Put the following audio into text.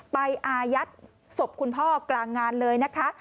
อายัดศพคุณพ่อกลางงานเลยนะคะ